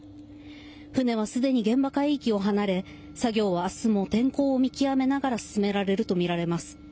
船はすでに現場海域を離れ作業は明日も天候を見極めながら進められるとみられます。